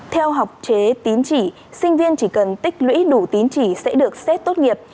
theo học chế tín chỉ sinh viên chỉ cần tích lũy đủ tín chỉ sẽ được xét tốt nghiệp